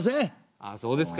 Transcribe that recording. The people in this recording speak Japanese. ああそうですか。